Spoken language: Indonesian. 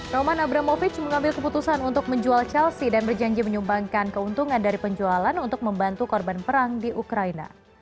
roman abramovic mengambil keputusan untuk menjual chelsea dan berjanji menyumbangkan keuntungan dari penjualan untuk membantu korban perang di ukraina